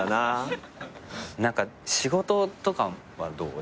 何か仕事とかはどう？